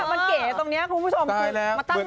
มันเก๋ตรงนี้คุณผู้ชมมาตั้งใหม่